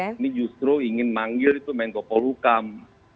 kami justru ingin manggil itu menko polukam